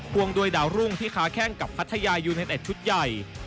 วงด้วยดาวรุ่งที่ค้าแข้งกับพัทยายูเน็ตชุดใหญ่